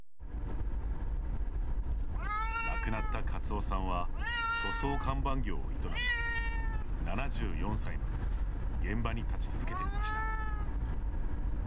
亡くなった勝夫さんは塗装看板業を営み７４歳まで現場に立ち続けていました。